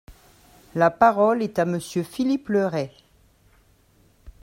La parole est à Monsieur Philippe Le Ray.